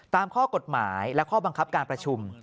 ตามข้อกฎหมายและข้อบังคับการประชุม